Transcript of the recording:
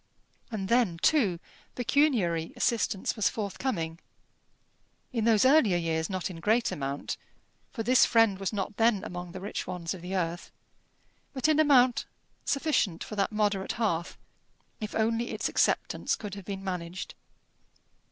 And then, too, pecuniary assistance was forthcoming in those earlier years not in great amount, for this friend was not then among the rich ones of the earth but in amount sufficient for that moderate hearth, if only its acceptance could have been managed.